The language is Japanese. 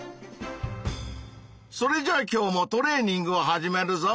それじゃあ今日もトレーニングを始めるぞ！